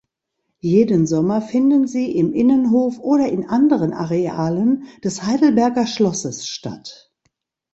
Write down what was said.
Jeden Sommer finden sie im Innenhof oder in anderen Arealen des Heidelberger Schlosses statt.